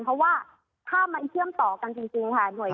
เพราะว่าถ้ามันเชื่อมต่อกันจริงค่ะ